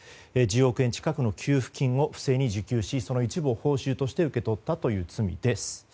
１０億円近くの給付金を不正に受給しその一部を報酬として受け取ったという罪です。